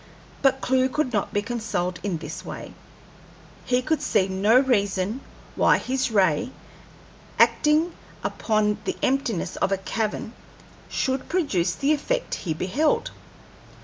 But Clewe could not be consoled in this way. He could see no reason why his ray acting upon the emptiness of a cavern should produce the effect he beheld.